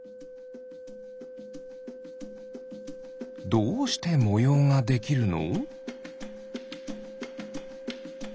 どうしてもようができるの？